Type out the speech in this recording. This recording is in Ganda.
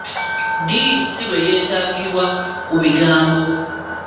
Ddi ‘si’ lw’etagattibwa ku bigambo?